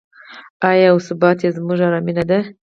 آیا او ثبات یې زموږ ارامي نه ده؟